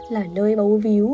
là nơi bấu víu